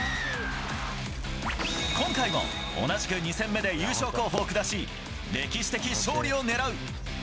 今回も、同じく２戦目で優勝候補を下し、歴史的勝利を狙う。